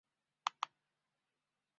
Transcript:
安苡爱前男友为男演员李博翔。